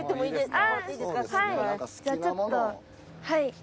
はい。